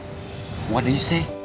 apa yang kamu katakan